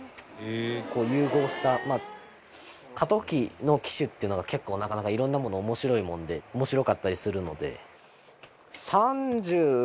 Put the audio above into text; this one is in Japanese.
こう融合した過渡期の機種っていうのが結構なかなかいろんなもの面白いもんで面白かったりするので。